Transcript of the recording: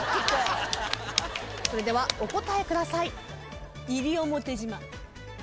それではお答えください。